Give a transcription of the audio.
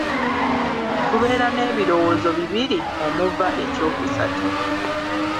Tubeera n'ebirowoozo bibiri omuva ekyokusatu.